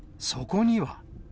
そこには。